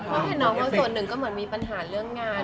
เพราะเห็นน้องเขาส่วนหนึ่งก็เหมือนมีปัญหาเรื่องงาน